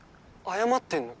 謝ってんの？